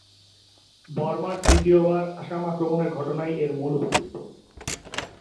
বর্মার তৃতীয়বার আসাম আক্রমণের ঘটনাই এর মূল উপজীব্য।